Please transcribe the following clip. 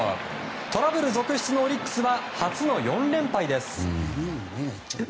トラブル続出のオリックスは初の４連敗です。